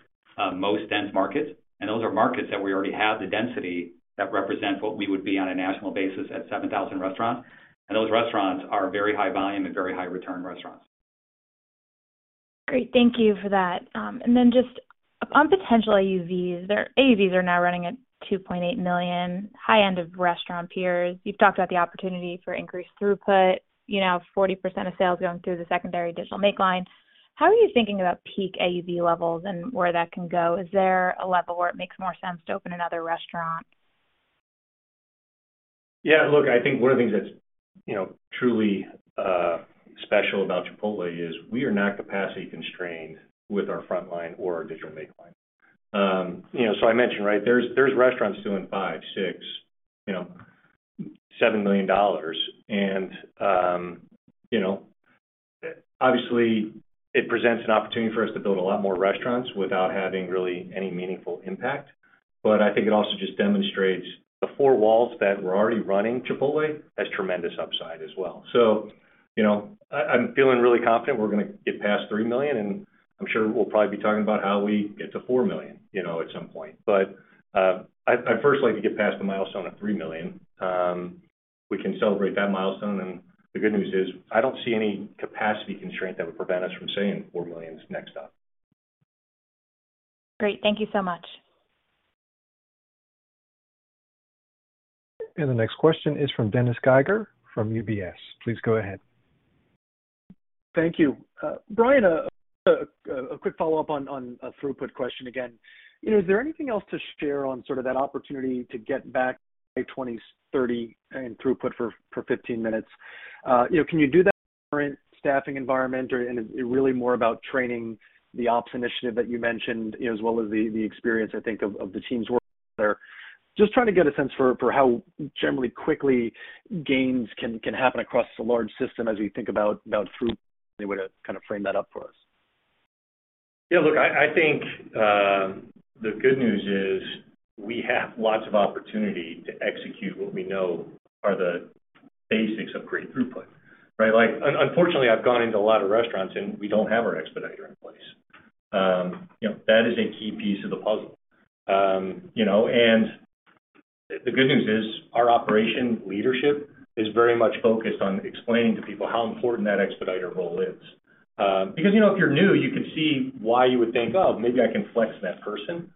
most dense markets. Those are markets that we already have the density that represents what we would be on a national basis at 7,000 restaurants. Those restaurants are very high volume and very high return restaurants. Great. Thank you for that. Just upon potential AUVs, their AUVs are now running at $2.8 million, high end of restaurant peers. You've talked about the opportunity for increased throughput, you know, 40% of sales going through the secondary digital make line. How are you thinking about peak AUV levels and where that can go? Is there a level where it makes more sense to open another restaurant? Yeah, look, I think one of the things that's, you know, truly special about Chipotle is we are not capacity constrained with our frontline or our digital make line. You know, I mentioned, right, there's restaurants doing $5 million, $6 million, you know, $7 million. You know, obviously, it presents an opportunity for us to build a lot more restaurants without having really any meaningful impact. I think it also just demonstrates the four walls that were already running Chipotle has tremendous upside as well. You know, I'm feeling really confident we're gonna get past $3 million, and I'm sure we'll probably be talking about how we get to $4 million, you know, at some point. I'd first like to get past the milestone of $3 million. We can celebrate that milestone, and the good news is, I don't see any capacity constraint that would prevent us from saying $4 million is next up. Great. Thank you so much. The next question is from Dennis Geiger from UBS. Please go ahead. Thank you. Brian, a quick follow-up on a throughput question again. You know, is there anything else to share on sort of that opportunity to get back to 20-30 in throughput for 15 minutes? You know, can you do that in the current staffing environment or is it really more about training the ops initiative that you mentioned as well as the experience, I think, of the teams working there? Just trying to get a sense for how generally quickly gains can happen across a large system as we think about throughput. Any way to kind of frame that up for us? Yeah, look, I think the good news is we have lots of opportunity to execute what we know are the basics of great throughput, right? Like, unfortunately, I've gone into a lot of restaurants and we don't have our expediter in place. You know, that is a key piece of the puzzle. You know, and the good news is our operation leadership is very much focused on explaining to people how important that expediter role is. Because, you know, if you're new, you can see why you would think, "Oh, maybe I can flex that person,"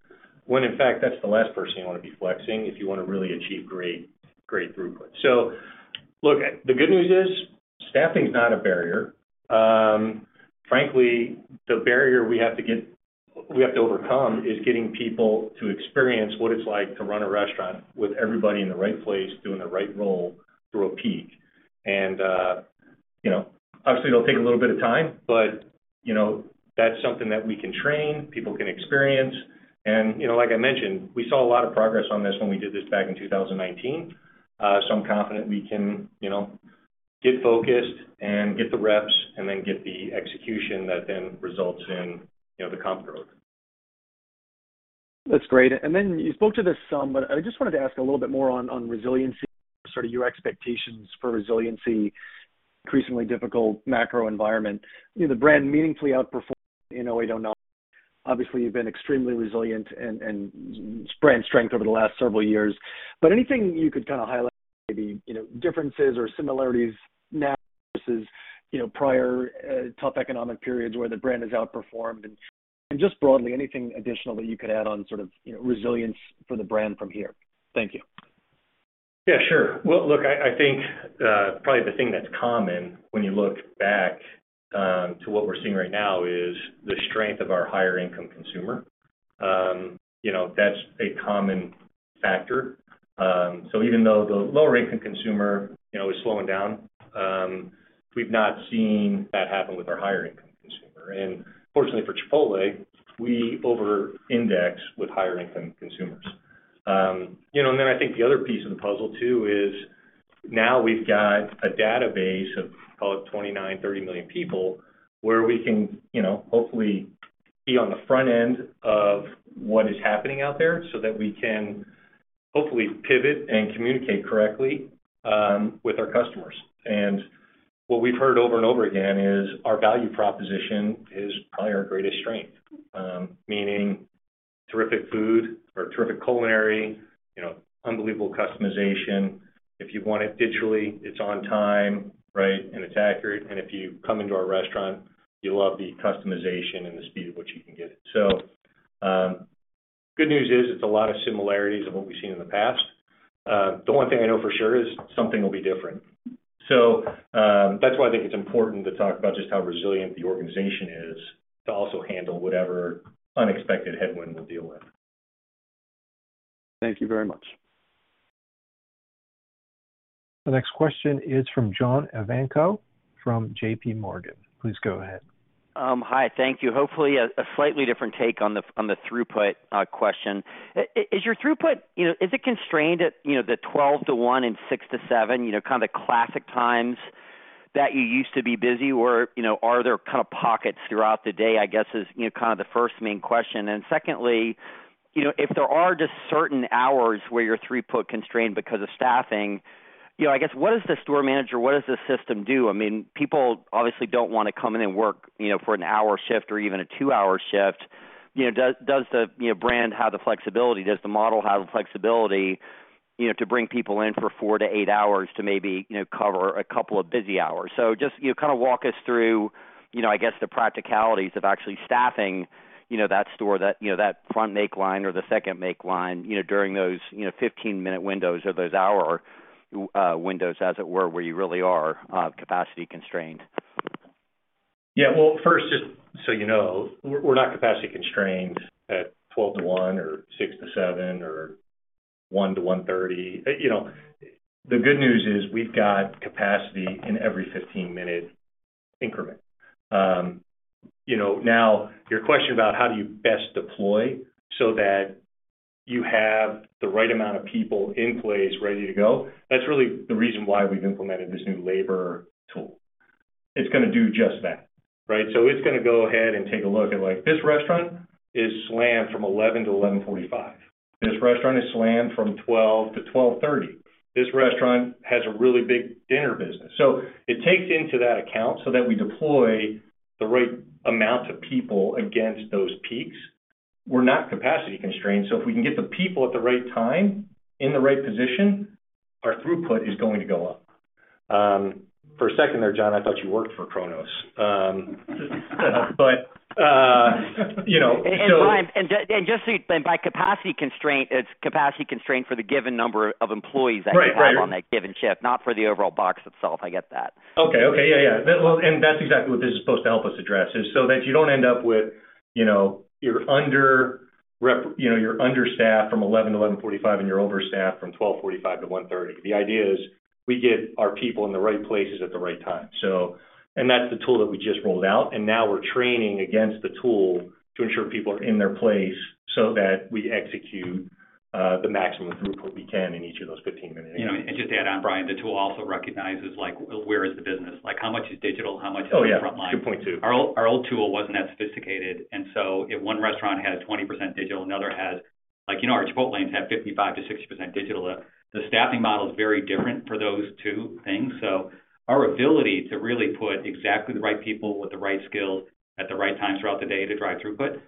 when in fact, that's the last person you wanna be flexing if you wanna really achieve great throughput. Look, the good news is staffing is not a barrier. Frankly, the barrier we have to overcome is getting people to experience what it's like to run a restaurant with everybody in the right place, doing the right role through a peak. You know, obviously, it'll take a little bit of time, but, you know, that's something that we can train, people can experience. Like I mentioned, we saw a lot of progress on this when we did this back in 2019. So I'm confident we can, you know, get focused and get the reps and then get the execution that then results in, you know, the comp growth. That's great. Then you spoke to this some, but I just wanted to ask a little bit more on resiliency, sort of your expectations for resiliency in increasingly difficult macro environment. You know, the brand meaningfully outperformed in 2008 and 2009. Obviously, you've been extremely resilient and spread strength over the last several years. Anything you could kind of highlight, maybe, you know, differences or similarities now versus, you know, prior tough economic periods where the brand has outperformed. Just broadly, anything additional that you could add on sort of, you know, resilience for the brand from here. Thank you. Yeah, sure. Well, look, I think probably the thing that's common when you look back to what we're seeing right now is the strength of our higher income consumer. You know, that's a common factor. Even though the lower income consumer, you know, is slowing down, we've not seen that happen with our higher income consumer. Fortunately for Chipotle, we overindex with higher income consumers. You know, I think the other piece of the puzzle too is now we've got a database of about 29-30 million people where we can, you know, hopefully be on the front end of what is happening out there so that we can hopefully pivot and communicate correctly with our customers. What we've heard over and over again is our value proposition is probably our greatest strength. Meaning terrific food or terrific culinary, you know, unbelievable customization. If you want it digitally, it's on time, right? It's accurate. If you come into our restaurant, you love the customization and the speed at which you can get it. Good news is it's a lot of similarities of what we've seen in the past. The one thing I know for sure is something will be different. That's why I think it's important to talk about just how resilient the organization is to also handle whatever unexpected headwind we'll deal with. Thank you very much. The next question is from John Ivankoe from JPMorgan. Please go ahead. Hi. Thank you. Hopefully a slightly different take on the throughput question. Is your throughput, you know, constrained at, you know, the 12 to 1 and 6 to 7, you know, kind of the classic times that you used to be busy or, you know, are there kind of pockets throughout the day, I guess, you know, kind of the first main question. Secondly, you know, if there are just certain hours where you're throughput constrained because of staffing, you know, I guess, what does the store manager, what does the system do? I mean, people obviously don't want to come in and work, you know, for an hour shift or even a two-hour shift. You know, does the brand have the flexibility, does the model have the flexibility, you know, to bring people in for four-eight hours to maybe, you know, cover a couple of busy hours? Just, you know, kind of walk us through, you know, I guess, the practicalities of actually staffing, you know, that store that, you know, that front make line or the second make line, you know, during those, you know, 15-minute windows or those hour windows as it were, where you really are capacity constrained. Yeah. Well, first, just so you know, we're not capacity constrained at 12:00 P.M.-1:00 P.M. or 6:00 P.M.-7:00 P.M. or 1:00 P.M.-1:30 P.M. You know, the good news is we've got capacity in every 15-minute increment. You know, now your question about how do you best deploy so that you have the right amount of people in place ready to go, that's really the reason why we've implemented this new labor tool. It's gonna do just that, right? It's gonna go ahead and take a look at like this restaurant is slammed from 11:00 A.M.-11:45 A.M. This restaurant is slammed from 12:00 P.M.-2:30 P.M. This restaurant has a really big dinner business. It takes that into account so that we deploy the right amounts of people against those peaks. We're not capacity constrained, so if we can get the people at the right time in the right position, our throughput is going to go up. For a second there, John, I thought you worked for Kronos. You know, Brian, by capacity constraint, it's capacity constraint for the given number of employees that- Right. You have on that given shift, not for the overall box itself. I get that. Okay. Yeah. Well, that's exactly what this is supposed to help us address so that you don't end up with, you know, you're understaffed from 11:00 A.M.-11:45 A.M., and you're overstaffed from 12:45 A.M.-1:30 P.M. The idea is we get our people in the right places at the right time. That's the tool that we just rolled out, and now we're training against the tool to ensure people are in their place so that we execute the maximum throughput we can in each of those 15-minute increments. You know, just to add on, Brian, the tool also recognizes, like, where is the business? Like, how much is digital, how much is front line? Oh, yeah. 2.2. Our old tool wasn't that sophisticated, so if one restaurant had 20% digital, you know, our Chipotle lanes have 55%-60% digital. The staffing model is very different for those two things. Our ability to really put exactly the right people with the right skills at the right times throughout the day to drive throughput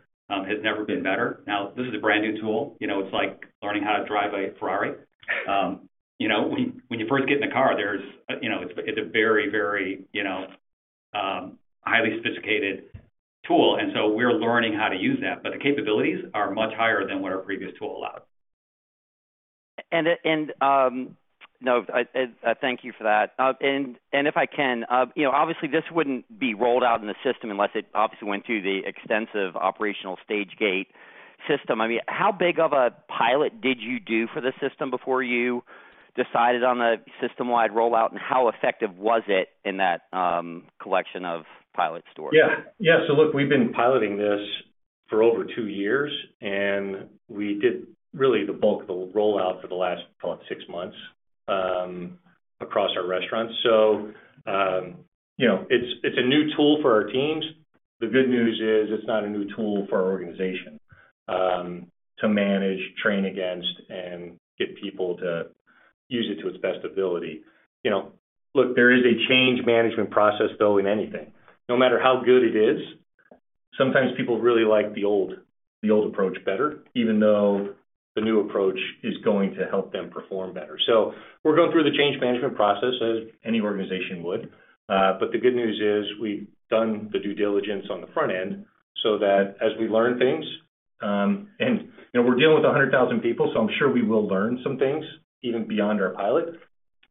has never been better. Now this is a brand-new tool. You know, it's like learning how to drive a Ferrari. You know, when you first get in the car, you know, it's a very highly sophisticated tool, so we're learning how to use that. The capabilities are much higher than what our previous tool allowed. Thank you for that. If I can, you know, obviously, this wouldn't be rolled out in the system unless it obviously went through the extensive operational stage gate system. I mean, how big of a pilot did you do for the system before you decided on a system-wide rollout, and how effective was it in that collection of pilot stores? Yeah. Yeah. Look, we've been piloting this for over two years, and we did really the bulk of the rollout for the last, call it, six months, across our restaurants. You know, it's a new tool for our teams. The good news is it's not a new tool for our organization to manage, train against, and get people to use it to its best ability. You know, look, there is a change management process though in anything. No matter how good it is, sometimes people really like the old approach better, even though the new approach is going to help them perform better. We're going through the change management process as any organization would. The good news is we've done the due diligence on the front end so that as we learn things, and you know, we're dealing with 100,000 people, so I'm sure we will learn some things even beyond our pilot.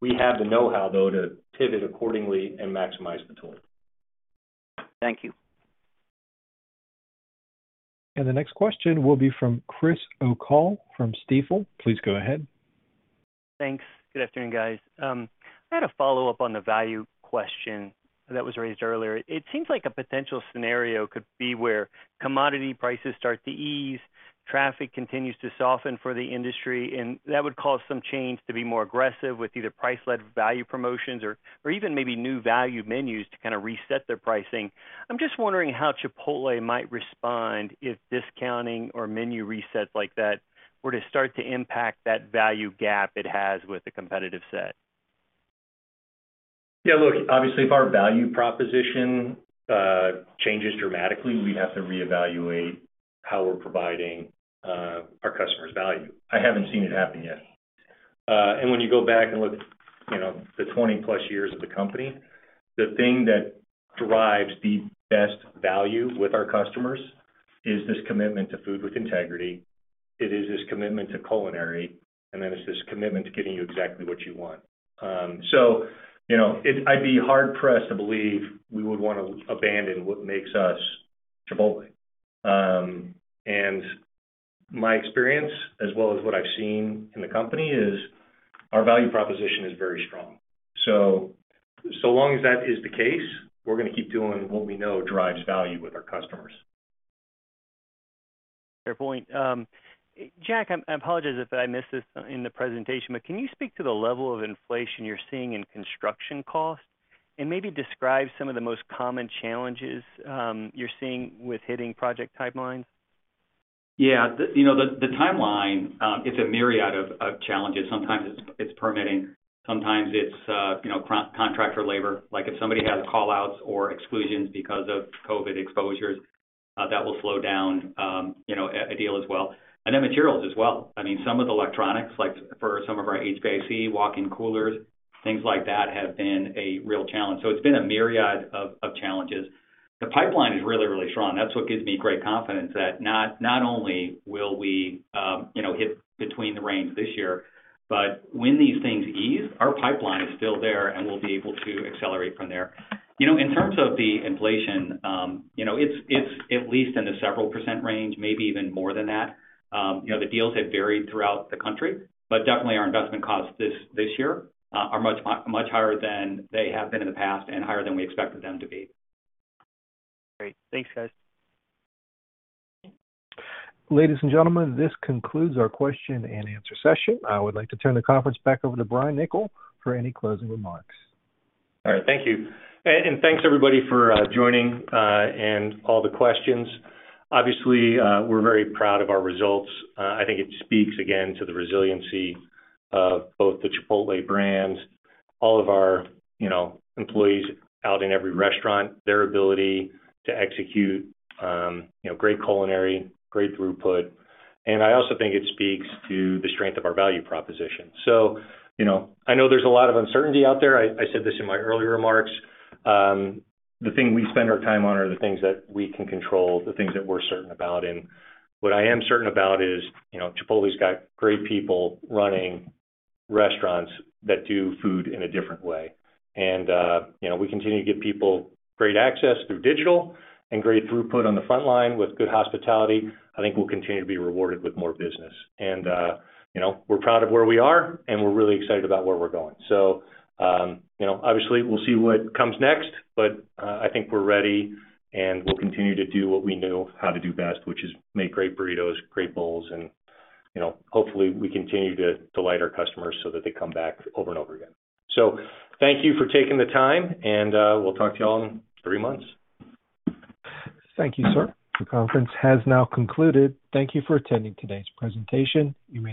We have the know-how, though, to pivot accordingly and maximize the tool. Thank you. The next question will be from Chris O'Cull from Stifel. Please go ahead. Thanks. Good afternoon, guys. I had a follow-up on the value question that was raised earlier. It seems like a potential scenario could be where commodity prices start to ease, traffic continues to soften for the industry, and that would cause some chains to be more aggressive with either price-led value promotions or even maybe new value menus to kind of reset their pricing. I'm just wondering how Chipotle might respond if discounting or menu resets like that were to start to impact that value gap it has with the competitive set. Yeah. Look, obviously if our value proposition changes dramatically, we'd have to reevaluate how we're providing our customers value. I haven't seen it happen yet. When you go back and look at, you know, the 20+ years of the company, the thing that drives the best value with our customers is this commitment to Food with Integrity. It is this commitment to culinary, and then it's this commitment to getting you exactly what you want. You know, I'd be hard-pressed to believe we would wanna abandon what makes us Chipotle. My experience, as well as what I've seen in the company, is our value proposition is very strong. So long as that is the case, we're gonna keep doing what we know drives value with our customers. Fair point. Jack, I apologize if I missed this in the presentation, but can you speak to the level of inflation you're seeing in construction costs? Maybe describe some of the most common challenges you're seeing with hitting project timelines. Yeah. The timeline, you know, it's a myriad of challenges. Sometimes it's permitting. Sometimes it's contractor labor. Like, if somebody has call-outs or exclusions because of COVID exposures, that will slow down a deal as well. Materials as well. I mean, some of the electronics, like for some of our HVAC walk-in coolers, things like that, have been a real challenge. It's been a myriad of challenges. The pipeline is really strong. That's what gives me great confidence that not only will we hit between the range this year, but when these things ease, our pipeline is still there, and we'll be able to accelerate from there. You know, in terms of the inflation, you know, it's at least in the several percent range, maybe even more than that. You know, the deals have varied throughout the country, but definitely our investment costs this year are much higher than they have been in the past and higher than we expected them to be. Great. Thanks, guys. Ladies and gentlemen, this concludes our question and answer session. I would like to turn the conference back over to Brian Niccol for any closing remarks. All right. Thank you. And thanks, everybody, for joining and all the questions. Obviously, we're very proud of our results. I think it speaks, again, to the resiliency of both the Chipotle brand, all of our, you know, employees out in every restaurant, their ability to execute, you know, great culinary, great throughput, and I also think it speaks to the strength of our value proposition. So, you know, I know there's a lot of uncertainty out there. I said this in my earlier remarks. The thing we spend our time on are the things that we can control, the things that we're certain about. What I am certain about is, you know, Chipotle's got great people running restaurants that do food in a different way. You know, we continue to give people great access through digital and great throughput on the front line with good hospitality. I think we'll continue to be rewarded with more business. You know, we're proud of where we are, and we're really excited about where we're going. Obviously, we'll see what comes next, but I think we're ready, and we'll continue to do what we know how to do best, which is make great burritos, great bowls, and, you know, hopefully we continue to delight our customers so that they come back over and over again. Thank you for taking the time, and we'll talk to you all in three months. Thank you, sir. The conference has now concluded. Thank you for attending today's presentation. You may disconnect.